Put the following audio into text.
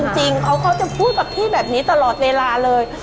จริงเขาจะพูดกับพี่แบบนี้ตลอดเวลาเลย